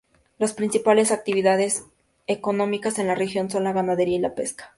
Las principales actividades económicas en la región son la ganadería y la pesca.